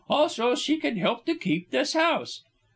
Also, she could help to keep up this house."